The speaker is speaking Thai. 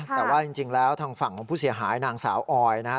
แต่ว่าจริงแล้วทางฝั่งของผู้เสียหายนางสาวออยนะฮะ